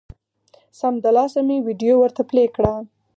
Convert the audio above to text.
سمدلاسه مې ویډیو ورته پلې کړه